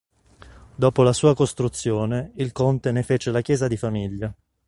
Dopo la sua costruzione il conte ne fece la chiesa di famiglia.